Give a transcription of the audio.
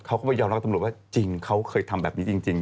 เขาก็ไปยอมรับกับตำรวจว่าจริงเขาเคยทำแบบนี้จริง